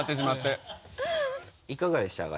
いかがでしたか？